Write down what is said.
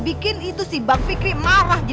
bukan ibu tidak nyok biru